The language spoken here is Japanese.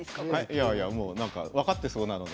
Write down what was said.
いやいやもうなんか分かってそうなので。